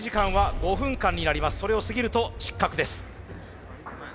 それを過ぎると失格です。